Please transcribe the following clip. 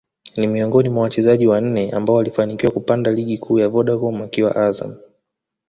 ni miongoni mwa wachezaji wanne ambao walifanikiwa kupanda Ligi Kuu ya Vodacom akiwa Azam